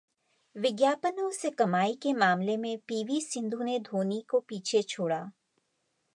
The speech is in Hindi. विज्ञापनों से कमाई के मामले में पीवी सिंधु ने धोनी को पीछे छोड़ा!